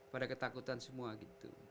pada ketakutan semua gitu